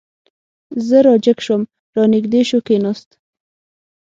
زه را جګ شوم، را نږدې شو، کېناست.